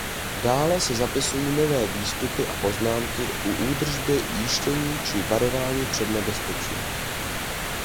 Dále se zapisují nové výstupy a poznámky u údržbě jištění či varování před nebezpečím.